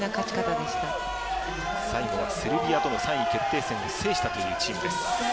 最後はセルビアとの３位決定戦を制したというチームです。